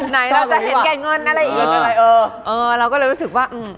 ไหนเราจะเห็นแก่ง่อนอะไรอีกเออเราก็เลยรู้สึกว่า